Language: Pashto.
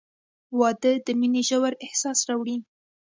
• واده د مینې ژور احساس راوړي.